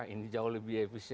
ini jauh lebih efisien